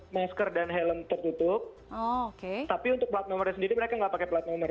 masker dan helm tertutup oh oke tapi untuk plat nomor sendiri mereka enggak pakai plat nomor